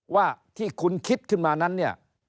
ว่าที่คุณคิดขึ้นมานั้นเนี่ย